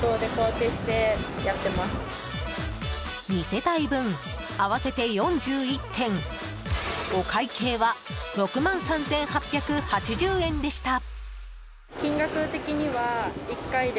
２世帯分、合わせて４１点お会計は６万３８８０円でした。